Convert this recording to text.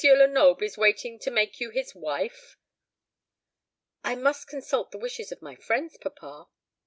Lenoble is waiting to make you his wife." "I must consult the wishes of my friends, papa."